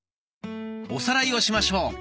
おさらいをしましょう。